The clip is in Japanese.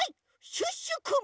シュッシュくん！